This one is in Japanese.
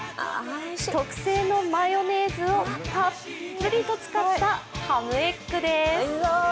特製のマヨネーズをたっぷりと使ったハムエッグです。